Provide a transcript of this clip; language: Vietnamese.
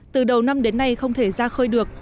từ đầu năm đến nay không thể ra khơi được